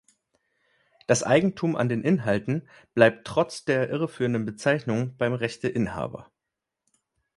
Das Eigentum an den Inhalten bleibt trotz der irreführenden Bezeichnung beim Rechteinhaber.